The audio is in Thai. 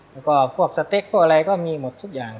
แล้วก็พวกสเต็กพวกอะไรก็มีหมดทุกอย่าง